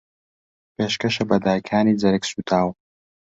پێشکەشە بە دایکانی جەرگسووتاو